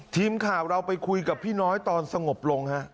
ทีมข่าวเราไปคุยกับพี่น้อยตอนสงบลงฮะ